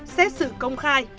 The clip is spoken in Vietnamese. xét xử công khai